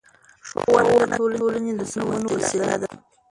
ښوونه د ټولنې د سمون وسیله ده